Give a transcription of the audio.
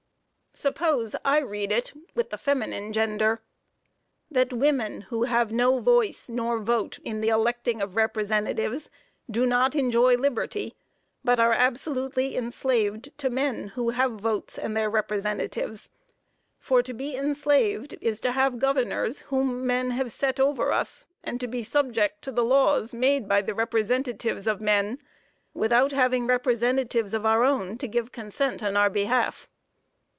Suppose I read it with the feminine gender: "That women who have no voice nor vote in the electing of representatives, do not enjoy liberty, but are absolutely enslaved to men who have votes and their representatives; for to be enslaved is to have governors whom men have set over us, and to be subject to the laws made by the representatives of men, without having representatives of our own to give consent in our behalf."